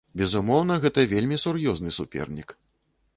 Безумоўна, гэта вельмі сур'ёзны супернік.